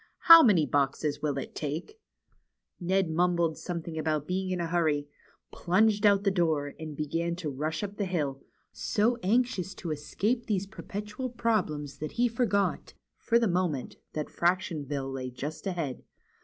How many boxes will it take ?" Ned mumbled something about being in a hurry, plunged out the door, and began to rush up the hill, so anxious to escape these perpetual problems that he forgot, for the moment, that Fractionville lay just ahead.